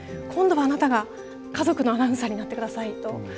「今度はあなたが家族のアナウンサーになって下さい」と。